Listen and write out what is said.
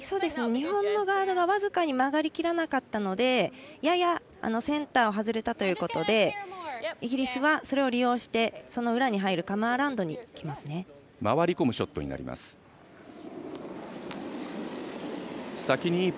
日本のガードが僅かに曲がりきらなかったのでややセンターを外れたということでイギリスは、それを利用してその裏に入るカムアラウンドにいきますね。